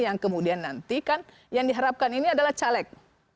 yang kemudian nanti kan yang diharapkan ini adalah caleg